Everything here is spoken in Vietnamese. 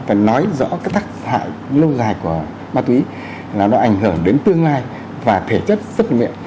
và nói rõ các tác dạng lâu dài của ma túy là nó ảnh hưởng đến tương lai và thể chất sức nguyện